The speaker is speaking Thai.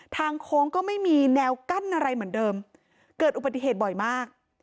ทางโค้งก็ไม่มีแนวกั้นอะไรเหมือนเดิมเกิดอุบัติเหตุบ่อยมาก